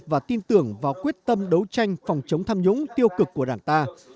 và tin tưởng vào quyết tâm đấu tranh phòng chống tham nhũng tiêu cực của đảng ta